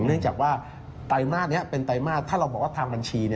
เนื่องจากว่าไตรมาสนี้เป็นไตรมาสถ้าเราบอกว่าทางบัญชี